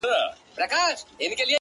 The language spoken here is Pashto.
د خپل ښايسته خيال پر رنگينه پاڼه ـ